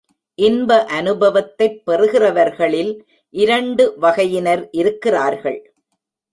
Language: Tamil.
இன்ப அநுபவத்தைப் பெறுகிறவர்களில் இரண்டு வகையினர் இருக்கிறார்கள்.